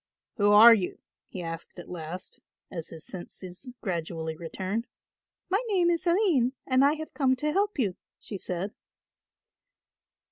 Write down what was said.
"Who are you?" he asked at last, as his senses gradually returned. "My name is Aline and I have come to help you," she said.